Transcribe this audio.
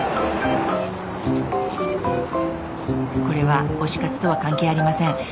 これは推し活とは関係ありません。